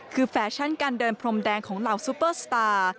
คือแฟชั่นการเดินพรมแดงของเหล่าซูเปอร์สตาร์